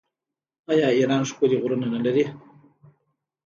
آیا ایران ښکلي غرونه نلري؟